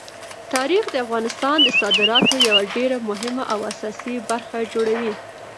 تاریخ د افغانستان د صادراتو یوه ډېره مهمه او اساسي برخه جوړوي.